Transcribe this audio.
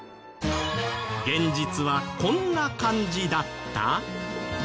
現実はこんな感じだった？